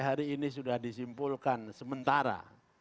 hari ini sudah disimpulkan sementara